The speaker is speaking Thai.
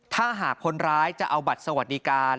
ถ้าหากคนร้ายจะเอาบัตรสวัสดิการ